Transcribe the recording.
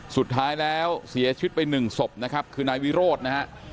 สุดท้ายแล้วเสียชีวิตไปหนึ่งศพนะครับคือนายวิโรธนะฮะ